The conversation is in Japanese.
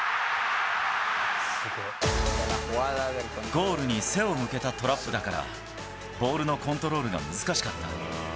ゴールに背を向けたトラップだから、ボールのコントロールが難しかった。